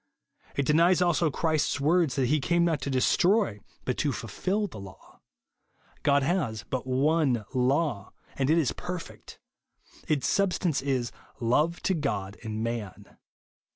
It denies also Christ's words, that he " came not to destroy but to fulfil the law." God has but one law, and it is perfect ; its substance is, love to God and man.